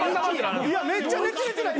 めっちゃ熱烈な。